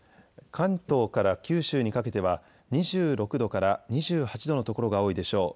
関東から九州にかけては２６度から２８度の所が多いでしょう。